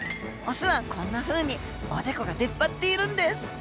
オスはこんなふうにおでこが出っ張っているんです。